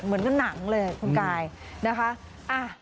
เหมือนหนังเลยคุณกายนะคะ